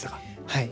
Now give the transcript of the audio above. はい。